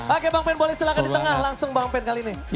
oke bang pen boleh silahkan di tengah langsung bang pen kali ini